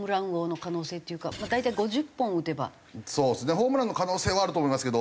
ホームランの可能性はあると思いますけど。